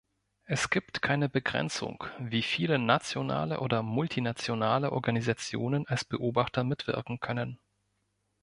Es gibt keine Begrenzung, wie viele nationale oder multinationale Organisationen als Beobachter mitwirken können.